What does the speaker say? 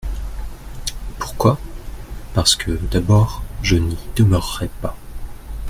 Pourquoi ? Parce que, d'abord, je n'y demeurerai pas.